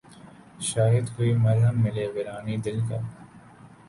شاید کوئی محرم ملے ویرانئ دل کا